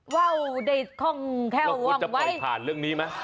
ว้าวได้ท่องแค่ว่างไว้เราควรจะปล่อยผ่านเรื่องนี้มั้ย